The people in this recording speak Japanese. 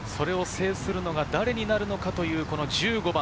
それを制するのが誰になるのか、１５番。